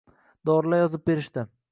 Dorilar yozib berishdi